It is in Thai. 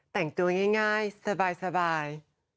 แต่งตัวง่ายสบาย